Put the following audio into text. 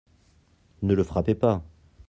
Ne le frappez pas.